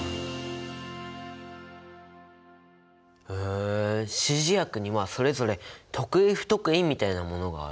ヘえ指示薬にはそれぞれ得意不得意みたいなものがあるのか。